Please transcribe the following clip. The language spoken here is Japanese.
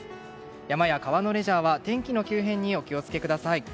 山や川のレジャーは天気の急変にお気を付けください。